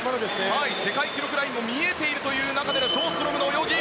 世界記録ラインも見えているという中でのショーストロムの泳ぎ。